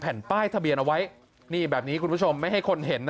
แผ่นป้ายทะเบียนเอาไว้นี่แบบนี้คุณผู้ชมไม่ให้คนเห็นนะ